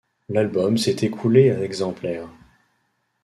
L'album s'est écoulé à exemplaires.